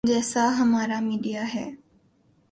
جیسا ہمارا میڈیا ہے۔